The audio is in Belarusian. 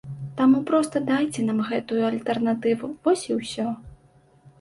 Таму проста дайце нам гэтую альтэрнатыву, вось і ўсё.